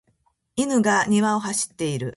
犬が庭を走っている。